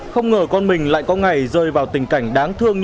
không ngờ con mình lại có ngày rơi vào tình cảnh đáng thương